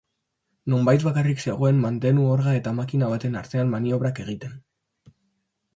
Nonbait bakarrik zegoen mantenu orga eta makina baten artean maniobrak egiten.